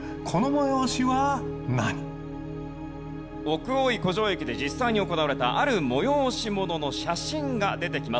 奥大井湖上駅で実際に行われたある催し物の写真が出てきます。